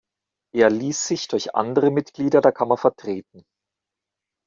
Er ließ sich durch andere Mitglieder der Kammer vertreten.